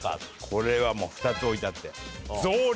これはもう２つ置いてあって。